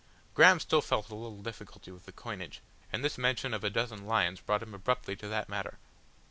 Graham still felt a difficulty with the coinage, and this mention of a dozen lions brought him abruptly to that matter.